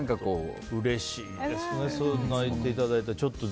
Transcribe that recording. うれしいですねそう言っていただいて。